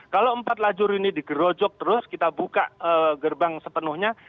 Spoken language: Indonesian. kalau empat lajur ini digerojok terus kita buka gerbang sepenuhnya